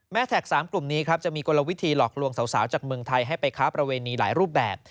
แท็ก๓กลุ่มนี้ครับจะมีกลวิธีหลอกลวงสาวจากเมืองไทยให้ไปค้าประเวณีหลายรูปแบบ